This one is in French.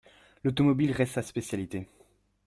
L'automobile reste sa spécialité.